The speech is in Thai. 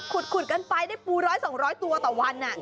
ขุดคุดกันไปให้ได้ปูร้อยสองร้อยตัวต่อวัน